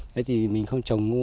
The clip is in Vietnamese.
thế thì mình không trồng ngô